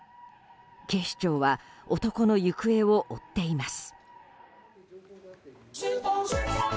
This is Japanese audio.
警視庁は男の行方を追っています。